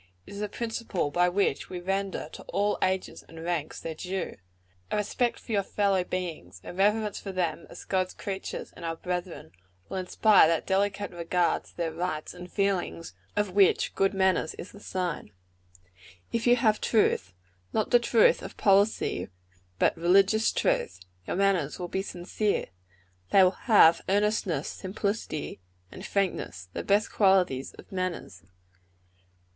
It is the principle by which we render to all ranks and ages their due. A respect for your fellow beings, a reverence for them as God's creatures and our brethren, will inspire that delicate regard to their rights and feelings, of which good manners is the sign. "If you have truth not the truth of policy, but religious truth your manners will be sincere. They will have earnestness, simplicity and frankness the best qualities of manners.